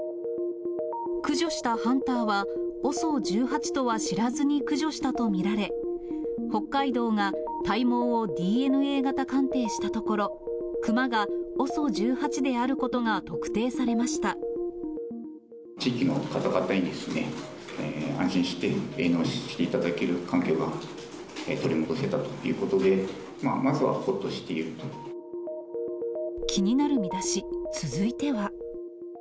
駆除したハンターは、ＯＳＯ１８とは知らずに駆除したと見られ、北海道が体毛をＤＮＡ型鑑定したところ、クマがＯＳＯ１８である地域の方々に、安心して営農していただける環境が取り戻せたということで、まずはほっとして気になるミダシ、続いては。